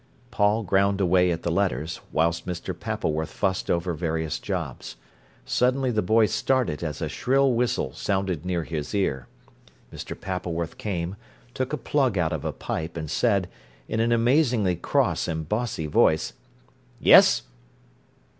Paul ground away at the letters, whilst Mr. Pappleworth fussed over various jobs. Suddenly the boy started as a shrill whistle sounded near his ear. Mr. Pappleworth came, took a plug out of a pipe, and said, in an amazingly cross and bossy voice: "Yes?"